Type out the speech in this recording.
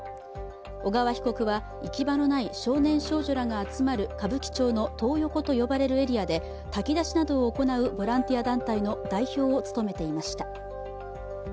小川被告は、行き場のない少年少女らが集まる歌舞伎町のトー横と呼ばれるエリアで炊き出しなどを行うボランティア団体の代表を務めていました。